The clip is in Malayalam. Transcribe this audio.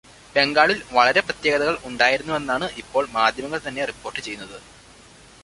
ബംഗാളിൽ വളരെ പ്രത്യേകതകൾ ഉണ്ടായിവരുന്നെന്നാണ് ഇപ്പോൾ മാധ്യമങ്ങൾതന്നെ റിപ്പോർട്ട് ചെയ്യുന്നത്.